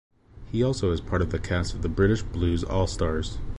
He also is part of the cast of The British Blues All Stars.